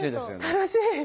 楽しい。